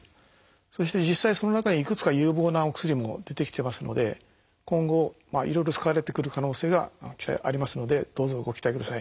そして実際その中にいくつか有望なお薬も出てきてますので今後いろいろ使われてくる可能性がありますのでどうぞご期待ください。